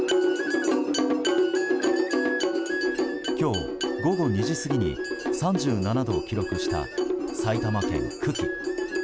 今日午後２時過ぎに３７度を記録した埼玉県久喜。